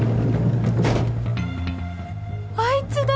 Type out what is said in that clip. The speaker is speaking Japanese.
あいつだ！